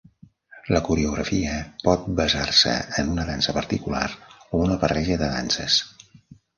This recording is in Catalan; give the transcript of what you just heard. La coreografia pot basar-se en una dansa particular o una barreja de danses.